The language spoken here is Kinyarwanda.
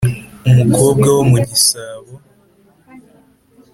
umukobwa wo mu gisabo